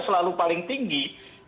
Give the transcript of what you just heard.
selalu paling tinggi